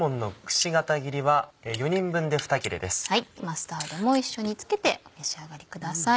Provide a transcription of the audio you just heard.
マスタードも一緒に付けてお召し上がりください。